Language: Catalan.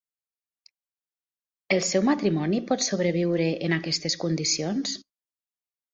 El seu matrimoni pot sobreviure en aquestes condicions?